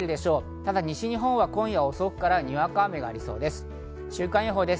ただ西日本は今夜遅くからにわか雨がありそうです。